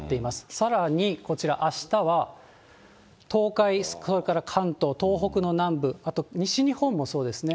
さらにこちら、あしたは東海、それから関東、東北の南部、あと西日本もそうですね。